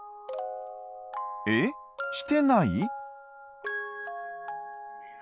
えっしてない？